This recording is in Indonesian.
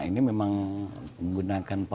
ini memang menggunakan